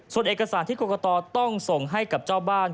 ส่วนเอกสารที่กรกตต้องส่งให้กับเจ้าบ้าน